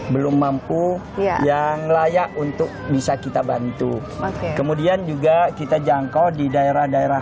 belum mampu yang layak untuk bisa kita bantu kemudian juga kita jangkau di daerah daerah